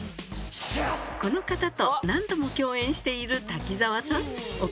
この方と何度も共演している滝沢さん